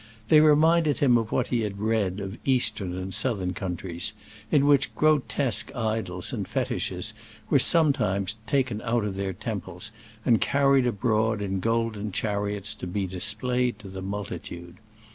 They reminded him of what he had read of eastern and southern countries, in which grotesque idols and fetiches were sometimes taken out of their temples and carried abroad in golden chariots to be displayed to the multitude.